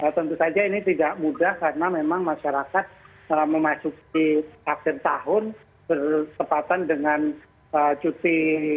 tentu saja ini tidak mudah karena memang masyarakat memasuki akhir tahun bertepatan dengan cuti